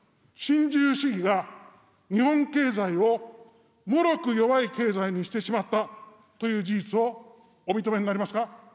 新自由主義が日本経済を、もろく弱い経済にしてしまったという事実をお認めになりますか。